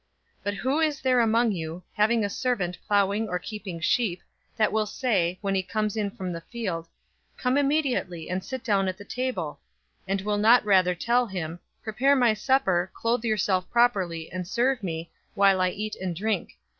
017:007 But who is there among you, having a servant plowing or keeping sheep, that will say, when he comes in from the field, 'Come immediately and sit down at the table,' 017:008 and will not rather tell him, 'Prepare my supper, clothe yourself properly, and serve me, while I eat and drink.